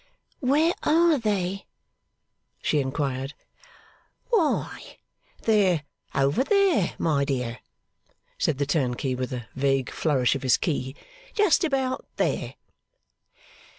'Where are they?' she inquired. 'Why, they're over there, my dear,' said the turnkey, with a vague flourish of his key. 'Just about there.